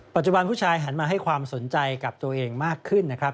ปัจจุบันผู้ชายหันมาให้ความสนใจกับตัวเองมากขึ้นนะครับ